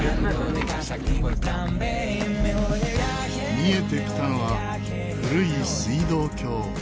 見えてきたのは古い水道橋。